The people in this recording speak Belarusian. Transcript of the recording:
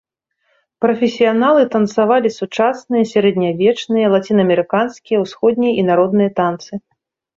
Прафесіяналы танцавалі сучасныя, сярэднявечныя, лацінаамерыканскія, ўсходнія і народныя танцы.